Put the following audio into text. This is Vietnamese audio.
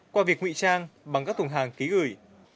qua việc ngụy trang bằng các thùng hàng ký gửi